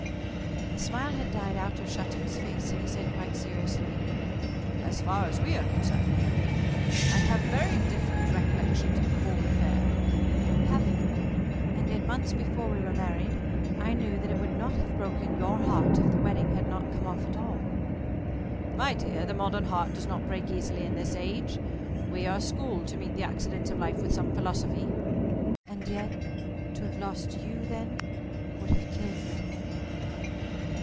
The smile had died out of Shattuck's face and he said quite seriously: "As far as we are concerned, Naomi, I have very different recollections of the whole affair." "Have you? And yet, months before we were married, I knew that it would not have broken your heart if the wedding had not come off at all." "My dear, the modern heart does not break easily in this age. We are schooled to meet the accidents of life with some philosophy." "And yet to have lost you then, would have killed me."